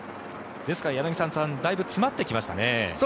ですから、柳澤さんだいぶ詰まってきましたね。